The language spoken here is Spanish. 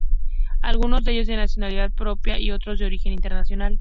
Algunos de ellos de nacionalidad propia y otros de origen internacional.